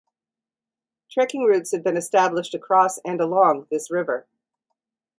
Trekking routes have been established across and along this river.